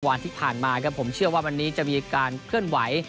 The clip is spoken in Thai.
วันที่ผ่านมาครับผมเชื่อว่าวันนี้จะมีการเคลื่อนไหว